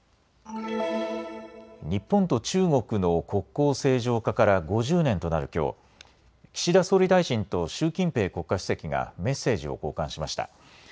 日本と中国の国交正常化から５０年となるきょう、岸田総理大臣と習近平国家主席がメッセージを交換しました。